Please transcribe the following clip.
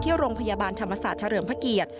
โรงพยาบาลธรรมศาสตร์เฉลิมพระเกียรติ